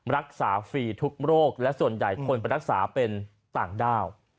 รักษาฟรีทุกโรคและส่วนใหญ่คนไปรักษาเป็นต่างด้าว